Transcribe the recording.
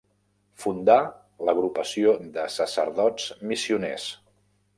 Fundà l’Agrupació de Sacerdots Missioners.